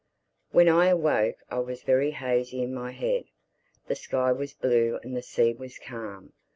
WHEN I awoke I was very hazy in my head. The sky was blue and the sea was calm.